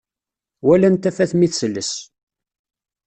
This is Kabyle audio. Walan tafat mi tselles